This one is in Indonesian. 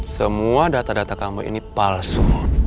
semua data data kami ini palsu